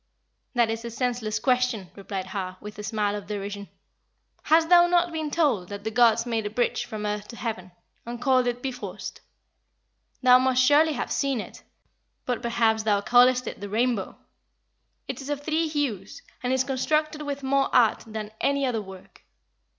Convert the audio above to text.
"That is a senseless question," replied Har, with a smile of derision. "Hast thou not been told that the gods made a bridge from earth to heaven, and called it Bifrost? Thou must surely have seen it; but, perhaps, thou callest it the rainbow. It is of three hues, and is constructed with more art than any other work.